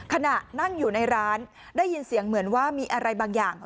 ขณะนั่งอยู่ในร้านได้ยินเสียงเหมือนว่ามีอะไรบางอย่าง